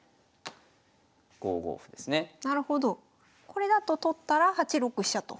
これだと取ったら８六飛車と。